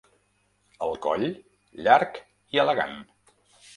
El coll, llarg i elegant.